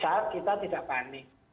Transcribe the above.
saat kita tidak panik